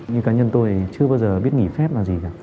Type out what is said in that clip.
như cá nhân tôi chưa bao giờ biết nghỉ phép là gì cả